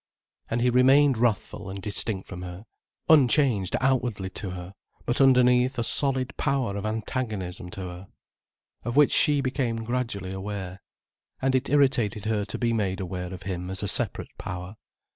And he remained wrathful and distinct from her, unchanged outwardly to her, but underneath a solid power of antagonism to her. Of which she became gradually aware. And it irritated her to be made aware of him as a separate power.